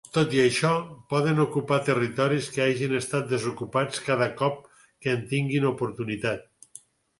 Tot i això, poden ocupar territoris que hagin estat desocupats cada cop que en tinguin oportunitat.